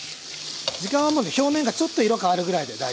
時間は表面がちょっと色変わるぐらいで大丈夫です。